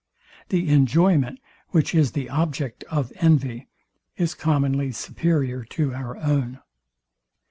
The enjoyment, which is the object of envy, is commonly superior to our own.